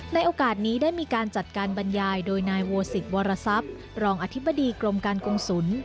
ในโอกาสนี้ได้มีการจัดการบรรยายโดยนายโวสิตวรทรัพย์รองอธิบดีกรมการกงศูนย์